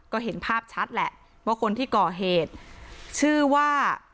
ก็เห็นภาพชัดแหละว่าคนที่ก่อเหตุชื่อว่า